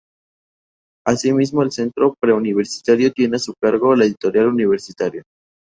Asimismo el Centro Pre Universitario tiene a su cargo la Editorial Universitaria.